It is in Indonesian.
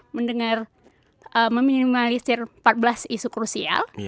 mendengar meminimalisir empat belas isu krusial